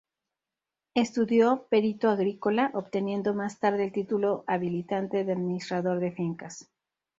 Estudió Perito agrícola, obteniendo más tarde el título habilitante de administrador de fincas.